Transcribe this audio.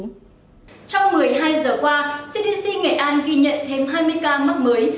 trong một mươi hai giờ qua cdc nghệ an ghi nhận thêm hai mươi ca mắc mới